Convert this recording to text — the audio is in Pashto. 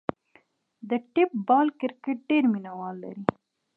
د ټیپ بال کرکټ ډېر مینه وال لري.